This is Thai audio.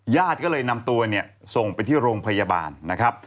ญาติก็เลยนำตัวเนี่ยส่งไปที่โรงพยาบาลนะครับ